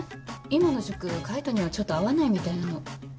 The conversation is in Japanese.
今の塾海斗にはちょっと合わないみたいなの。